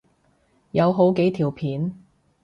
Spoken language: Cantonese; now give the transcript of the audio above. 有好幾條片